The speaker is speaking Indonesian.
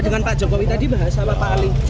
ya dengan pak jokowi tadi bahas sama pak ali